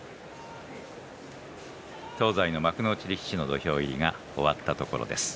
東西の幕内力士の土俵入りが終わったところです。